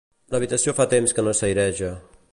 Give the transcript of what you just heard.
L'habitació fa temps que no s'aireja